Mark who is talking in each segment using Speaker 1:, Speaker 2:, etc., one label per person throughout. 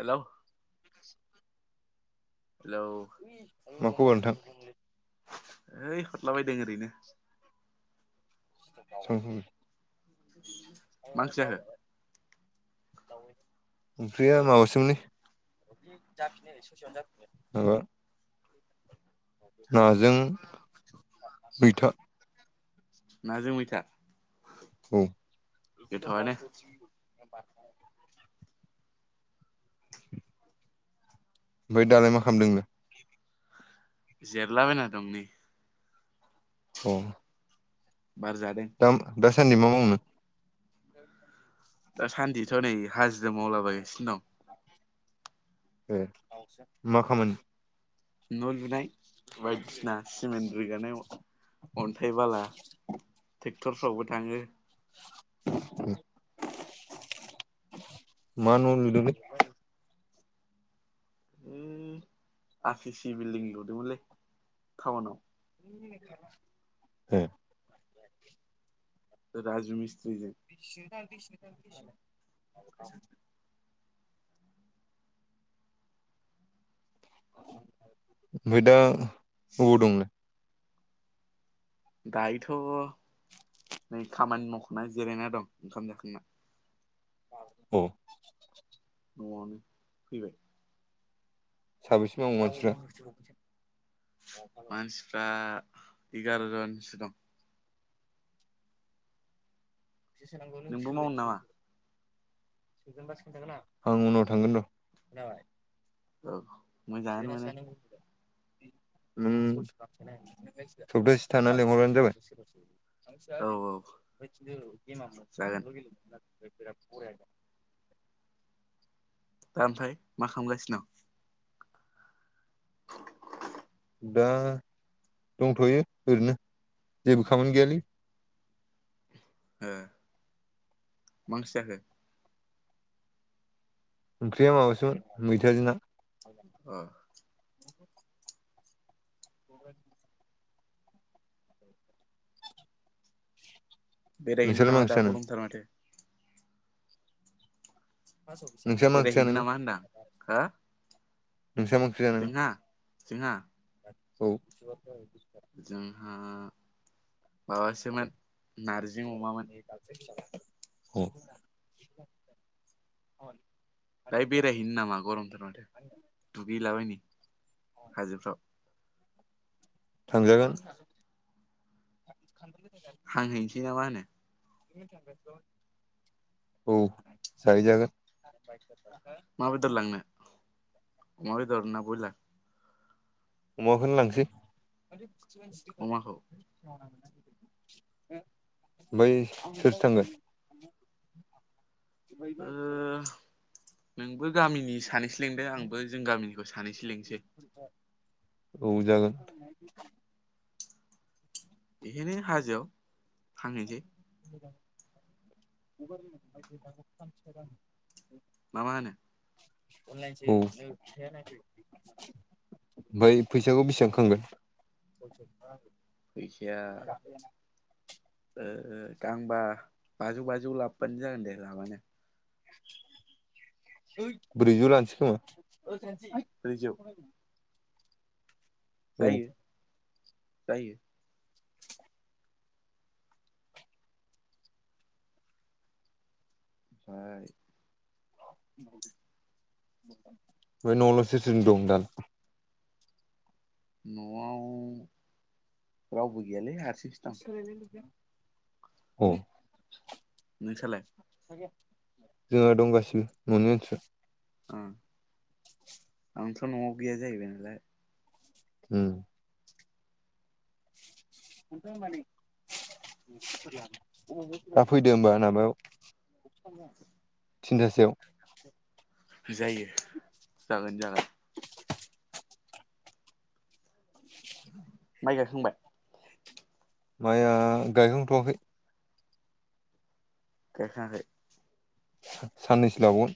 Speaker 1: Hello hello
Speaker 2: मा खबर नोंथां?
Speaker 1: ओइ हरलाबायदों ओरैनो।
Speaker 2: [unintelligible]
Speaker 1: मा ओंख्रि जाखो
Speaker 2: ओंख्रिया माबासोमोनलै। [unintelligible] नाजों मैथा।
Speaker 1: नाजों मैथा।
Speaker 2: औ
Speaker 1: गोथावआनो
Speaker 2: [unintelligible]
Speaker 1: [inaudible]
Speaker 2: ओमफ्राय दालाय मा खालामदों नोंलाय?
Speaker 1: जिरायलाबायना दं नै।
Speaker 2: अ
Speaker 1: बार जादों।
Speaker 2: दा दासान्दि मा मावो नों?
Speaker 1: दासान्दिथ'नै हाजिरा मावला बायगासिनो दं।
Speaker 2: ए मा खामानि?
Speaker 1: न' लुनाय। बायदिसिना सिमेन्ट रोगानाय अन्थाइ, बाला ट्रेक्टरफ्रावबो थाङो।
Speaker 2: [inaudible] मा न लुदोंलै
Speaker 1: अम आरसि सि बिल्डिं लुदोंमोनलै टाउनाव।
Speaker 2: अम
Speaker 1: राजु मिस्त्रिजों।
Speaker 2: [unintelligible] ओमफ्राय दा बबाव दं?
Speaker 1: दायोथ'। नै खामानि मावखांनाय जिरायना दं ओंखाम जाखांना।
Speaker 2: औ।
Speaker 1: न'आवनो फैबाय।
Speaker 2: साबेसे मावो मानसिफ्रा?
Speaker 1: मानसिफ्रा एगार' जनसो दं। नोंबो मावनो नामा
Speaker 2: [unintelligible] आं उनाव थांगोन र
Speaker 1: औ। मोजाङानो
Speaker 2: सोगोनना
Speaker 1: मोनो
Speaker 2: सोआ नों गुगोल पे अम दसे थाना लिंहरबानो जाबाय
Speaker 1: औ औ जागोन
Speaker 2: [unintelligible] [unintelligible]
Speaker 1: दा ओमफ्राय मा खामगासिनो?
Speaker 2: दा दंथ'यो ओरैनो जेबो खामानि गैयालै।
Speaker 1: ओ मा ओंख्रि जाखो?
Speaker 2: ओंख्रिया माबासोम मैथाजों ना।
Speaker 1: अ।
Speaker 2: [inaudible]
Speaker 1: बेराय हैनो
Speaker 2: नोंस्रालाय मा
Speaker 1: नामा
Speaker 2: ओंख्रि
Speaker 1: दा
Speaker 2: जानायमोन
Speaker 1: गरमथार माथो।
Speaker 2: नोंसा मा ओंख्रि
Speaker 1: बेरायहैनो
Speaker 2: जानायमोन।
Speaker 1: नामा होनदां जोंहा-जोंहा।
Speaker 2: औ।
Speaker 1: जोंहा माबासोमोन नारजि अमामोन।
Speaker 2: औ।
Speaker 1: दाहाय बेरायहैनो नामा गरमथार माथो दुगैलाबायनि हाजोफ्राव
Speaker 2: थांजागोन
Speaker 1: हांहैसै ना मा होनो
Speaker 2: औ जाहै जागोन
Speaker 1: मा बेदर लांनो अमा बेदरना बयलार
Speaker 2: अमाखौनो लांसै
Speaker 1: अमाखौ
Speaker 2: बाय सोर-सोर थांगोन
Speaker 1: ओ
Speaker 2: [unintelligible]
Speaker 1: नोंबो गामिनि सानैसो लेंदों आंबो जों गामिनिखौ सानैसो लिंनोसै
Speaker 2: औ जागोन
Speaker 1: बेखायनो हाजोआव हांहैसै
Speaker 2: [unintelligible]
Speaker 1: ना मा होनो
Speaker 2: औ ओमफ्राय फैसाखौ बेसेबां खांगोन
Speaker 1: फैसाया दांबा बाजौ बाजौ लाबोबानो जागोन दे लाबानो
Speaker 2: ब्रैजौ लाानोसै खोमा
Speaker 1: ब्रैजौ?
Speaker 2: औ
Speaker 1: जायो
Speaker 2: ओमफ्राय
Speaker 1: जायो। ह [unintelligible]
Speaker 2: बेओ न'आवलाय सोर सोर दं दालय?
Speaker 1: न'आव रावबो गैयालै हार
Speaker 2: औ
Speaker 1: नोंसाालाय?
Speaker 2: जोंहा दं गासिबो न'नि मानसि सिआ
Speaker 1: आंथ' न'आव गैया जाहैबाय नालाय
Speaker 2: उम मोनथ मानि [unintelligible] दा फैदो होनबा माबायाव। थिनथासोआव।
Speaker 1: जायो जागोन जागोन।
Speaker 2: [unintelligible]
Speaker 1: माइ गायखांबाय
Speaker 2: माया गायहांथ'वाखै
Speaker 1: गाइखांआखै?
Speaker 2: साननैसो लाबावगोन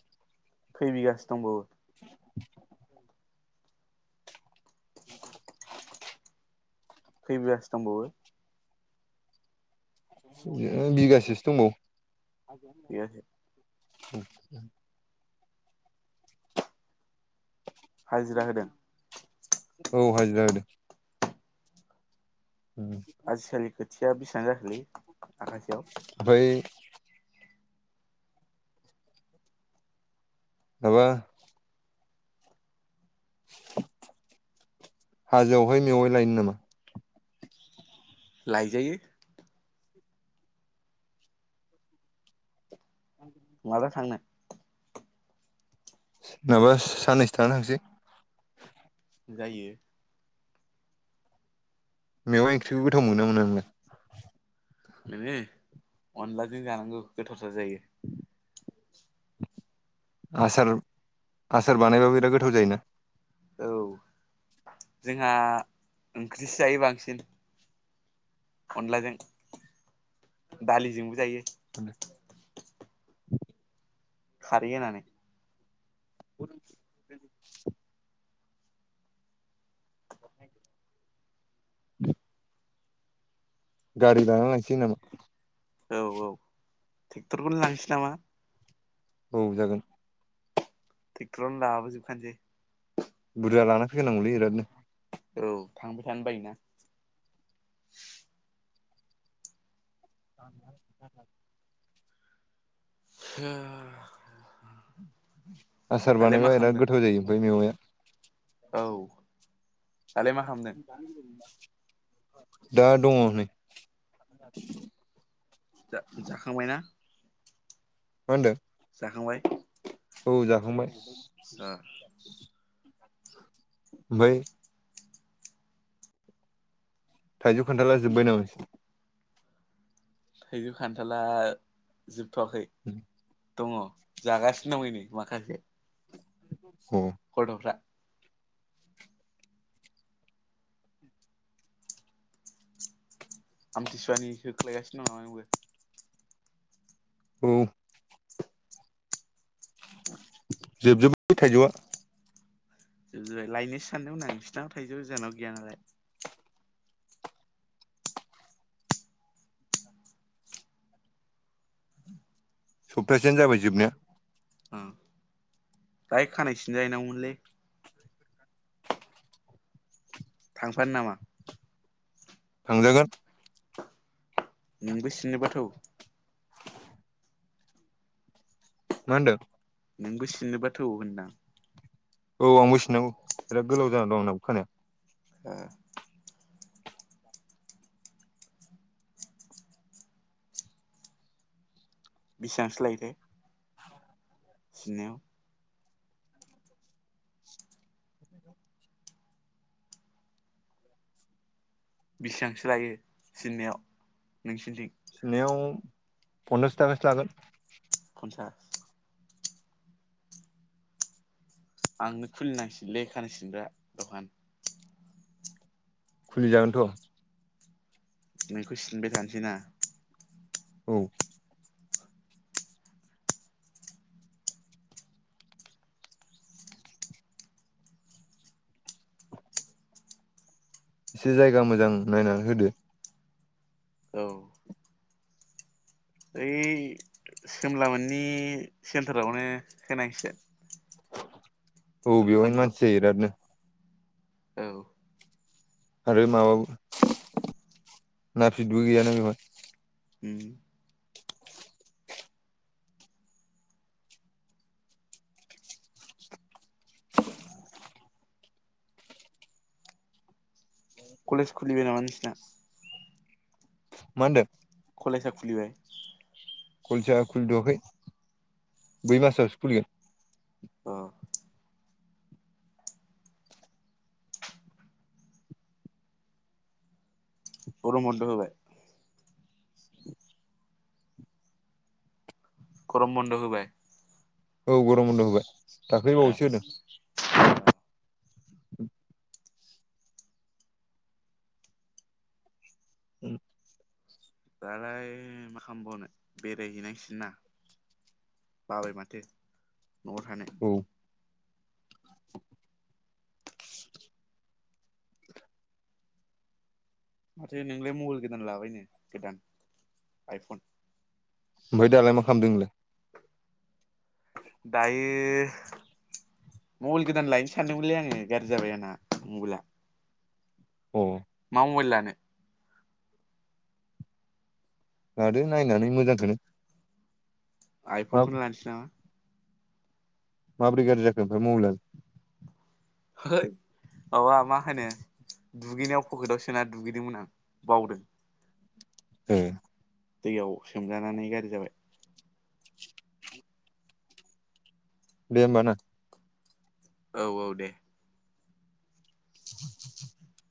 Speaker 1: खै बिगासो दंबावो?
Speaker 2: [unintelligible]
Speaker 1: खै बिगासो दंबावो?
Speaker 2: बिगासेसो दंबावो।
Speaker 1: बिगासे
Speaker 2: [unintelligible]
Speaker 1: हाजिरा होदों?
Speaker 2: औ हाजिरा होदों। उम।
Speaker 1: खाथिया बेसिबां जाखोलै? आखासेयाव
Speaker 2: बै माबा हाजोआवहाय मेवाइ लायनो नामा?
Speaker 1: लायजायो माला थांनो?
Speaker 2: माबा साननैसो थानानै थांसै।
Speaker 1: जायो।
Speaker 2: मेव ओंख्रिखौ गोथाव मोना मोना नोंलाय?
Speaker 1: मे अनलाजों जानांगौ गोथार।
Speaker 2: आस आसार बानायबो बिराद गोथाव जायोना।
Speaker 1: औ जोंहा ओंख्रिसो जायो बांसिन। अनलाजों दालिजोंबो जायो।
Speaker 2: [inaudible]
Speaker 1: खारि ननानै।
Speaker 2: [unintelligible] गारि लानानै लांसै नामा?
Speaker 1: औ औ ट्रेक्टरखौनो लांसै नामा?
Speaker 2: औ जागोन।
Speaker 1: ट्रेकटरावनो लाबो जोबखानोसेै
Speaker 2: बुरजा लाना फैनांगोनलै इरादनो
Speaker 1: औ थांबाय थानो बायोना
Speaker 2: [inaudible]
Speaker 1: [unintelligible]
Speaker 2: आसार
Speaker 1: दालाय मा
Speaker 2: बानायबा बिराद
Speaker 1: खालामदों
Speaker 2: गोथाव जायो ओमफ्राय मेवाया
Speaker 1: औ दालाय मा खालामदों
Speaker 2: [inaudible] दा दङ नै
Speaker 1: जा-जाखांबाय ना?
Speaker 2: मा होनदों औ जाखांबाय।
Speaker 1: ओ
Speaker 2: ओफ्राय थाइजौ खान्थाला जोबबाय नामा
Speaker 1: थैजौ खान्थाला जोब थ'वाखै दङ जागासिनो दं ओइ नै माखासे
Speaker 2: [inaudible]
Speaker 1: [unintelligible] आमथिसुवानि होख्लायगासिनो दं नामा नोंबो
Speaker 2: औ
Speaker 1: [inaudible]
Speaker 2: जोबजोबबाय थाइजौआ
Speaker 1: जोबजोबबाय लायनोसो सानदोंमोन आं नोंसिनाव थाइजौ जानाव गैया नालाय
Speaker 2: सप्तासेआनो जाबाय जोबनाया
Speaker 1: उम दाहाय खानाय सिनजा हैनां गौमोनलै थांफानो नामा?
Speaker 2: थांजागोन
Speaker 1: नोंबो सिनोबा थौ
Speaker 2: मा होनदों?
Speaker 1: नोंबो सिननोबाथौ होनदां
Speaker 2: औ आंबो सिननांगौ बिराद गोलाव जाना दं आंनाबो खानाया
Speaker 1: [unintelligible] बेसांसो लायो थाय? सिननायाव बेसेबांसो लायो सिननायाव नोंसिनिथिं?
Speaker 2: सिननायाव पन्सास थाखासो लागोन
Speaker 1: [unintelligible] आंनो खुलिनांसिगोनलै खानाय सिनग्रा दखान
Speaker 2: खुलिजागोनथ'
Speaker 1: नोंखौ सिनबाय थानोसै ना
Speaker 2: औ एसे जायगा मोजां नायनानै होदो।
Speaker 1: औ ओइ सोमला मोननि सेन्टारावनो होनांसिगोन
Speaker 2: औ बेवहायनो
Speaker 1: दखानखौ
Speaker 2: मानसि जायो बिरादनो
Speaker 1: औ
Speaker 2: आरो माबाबो ना फिदबो गैयाना बेवहाय
Speaker 1: उम कलेज खुलिबाय नामा नोंसिना
Speaker 2: मा होनदों
Speaker 1: कलेजआ खुलिबाय
Speaker 2: कलेजआ खुलिथ'आखै बै मासावसो खुलिगोन
Speaker 1: अ गरम बनद होबाय।
Speaker 2: [inaudible]
Speaker 1: गरम बन्द होबाय।
Speaker 2: औ गरम बन्द' होबाय। दाख्लै
Speaker 1: ओ
Speaker 2: बावैसो होदों। [inaudible] [unintelligible]
Speaker 1: दालाय मा खालामबावनो बेरायहैनांसिगोन ना? बाबाय माथो न'आव थानो।
Speaker 2: औ
Speaker 1: माथो नोंलाय मबाइल गोदान लाबायनो गोदान आइफन।
Speaker 2: ओमफ्राय दालाय मा खालामदों नोंलाय?
Speaker 1: दायो मबाइल गोदान लायनो सानदोंमोनलै आङो गाज्रि जाबाय आंना मबाइला
Speaker 2: अ
Speaker 1: मा मबाइल लानो?
Speaker 2: लादो नायनानै मोजांखौनो। मा
Speaker 1: आइफनखौ लानोसै नामा?
Speaker 2: माबोरै गाज्रि जाखो ओमफ्राय मबाइल आलाय
Speaker 1: है माबा मा होनो दुगैनायाव पकेटाव सोना दुगैदोंमोन आं बावदों
Speaker 2: ए।
Speaker 1: दैयाव सोमजानानै गाज्रि जाबाय।
Speaker 2: दे होमबा ना।
Speaker 1: औ औ दे।
Speaker 2: [inaudible]